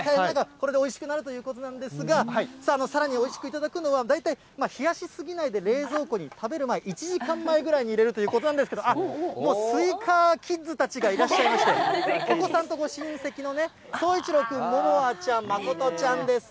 これでおいしくなるということなんですが、さあ、さらにおいしく頂くのは、大体冷やし過ぎないで、冷蔵庫に、食べる前、１時間前くらいに入れるということなんですけど、あっ、もうスイカキッズたちがいらっしゃいまして、お子さんとご親戚のね、そういちろう君、ももあちゃん、まことちゃんです。